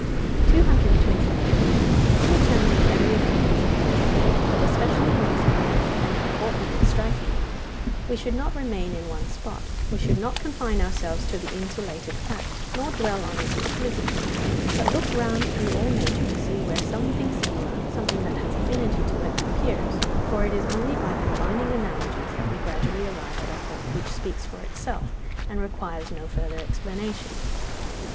228. In examining every appearance of nature, but especially in examining an important and striking one, we should not remain in one spot, we should not confine ourselves to the insulated fact, nor dwell on it exclusively, but look round through all nature to see where something similar, something that has affinity to it, appears: for it is only by combining analogies that we gradually arrive at a whole which speaks for itself, and requires no further explanation.